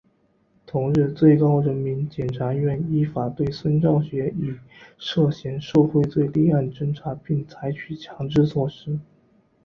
同日最高人民检察院依法对孙兆学以涉嫌受贿罪立案侦查并采取强制措施。